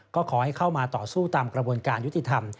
ก็ขอให้เข้ามาต่อสู้ตามกระบวนการยุติธรรม